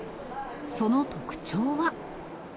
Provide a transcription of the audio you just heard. その特徴は。